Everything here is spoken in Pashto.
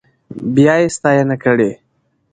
بيا يې ستاينه کړې.